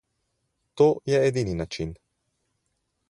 To je edini način.